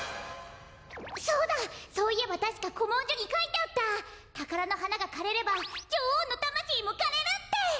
そうだそういえばたしかこもんじょにかいてあった「たからのはながかれればじょおうのたましいもかれる」って！